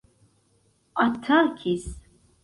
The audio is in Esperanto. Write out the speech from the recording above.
atakis